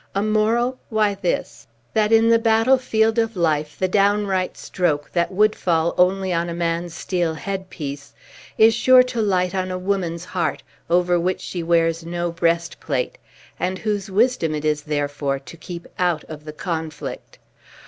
A moral? Why, this: That, in the battlefield of life, the downright stroke, that would fall only on a man's steel headpiece, is sure to light on a woman's heart, over which she wears no breastplate, and whose wisdom it is, therefore, to keep out of the conflict.